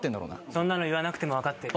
そんなの言わなくても分かってる。